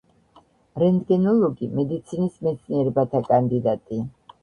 რენტგენოლოგი, მედიცინის მეცნიერებთა კანდიდატი.